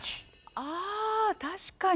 あ確かに。